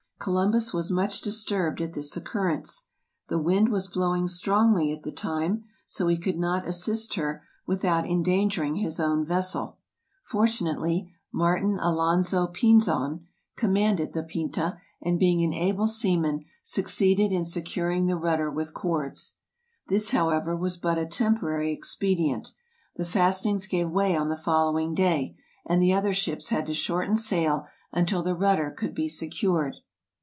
Columbus was much disturbed at this occurrence. The wind was blowing strongly at the time, so he could not assist her without endangering his own vessel. Fortunately, Martin Alonso Pinzon commanded the "Pinta," and being an able seaman, succeeded in securing the rudder with cords. This, however, was but a temporary expedient; the fasten 14 THE EARLY EXPLORERS 15 ings gave way on the following day and the other ships had to shorten sail until the rudder could be secured.